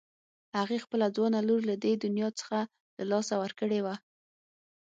هغې خپله ځوانه لور له دې دنيا څخه له لاسه ورکړې وه.